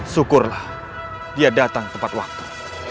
syukurlah dia datang tepat waktu